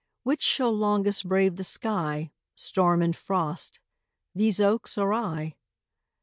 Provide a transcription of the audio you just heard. Which shall longest brave the sky, Storm and frost these oaks or I?